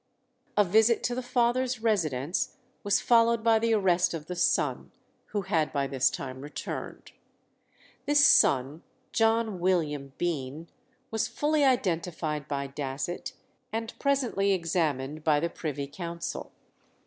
A visit to the father's residence was followed by the arrest of the son, who had by this time returned. This son, John William Bean, was fully identified by Dasset, and presently examined by the Privy Council.